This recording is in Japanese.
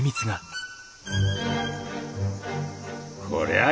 こりゃあ